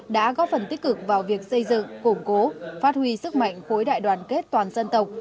đã góp phần tích cực vào việc xây dựng củng cố phát huy sức mạnh khối đại đoàn kết toàn dân tộc